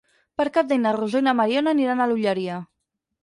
Per Cap d'Any na Rosó i na Mariona aniran a l'Olleria.